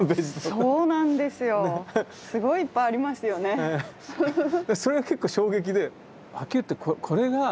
それが結構衝撃で。